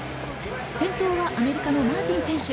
先頭はアメリカのマーティン選手。